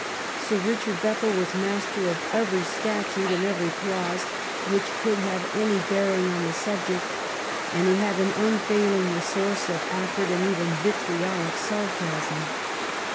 Sir Richard Bethell was master of every statute and every clause which could have any bearing on the sub ject, and he had an unfailing resource of acrid and even vitriolic sarcasm.